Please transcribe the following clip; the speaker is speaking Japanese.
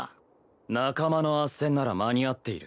仲間の斡旋なら間に合っている。